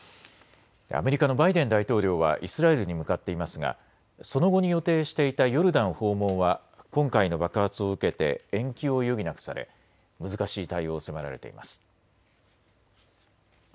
アメリカのバイデン大統領はイスラエルに向かっていますがその後に予定していたヨルダン訪問は今回の爆発を受けて延期を余儀なくされ難しい対応を迫られています。